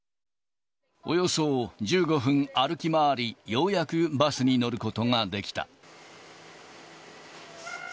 およそ１５分歩き回り、ようやくバスに乗ることができた。